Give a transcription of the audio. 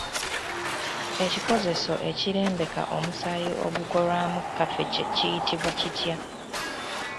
Ekikozeso ekirembeka omusaayi ogukolwamu kaffecce kiyitibwa kitya?